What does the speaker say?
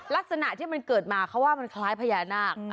ลักษณะที่มันเกิดมาเขาว่ามันคล้ายพญานาค